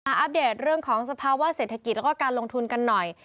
อัปเดตเรื่องของสภาวะเศรษฐกิจแล้วก็การลงทุนกันหน่อย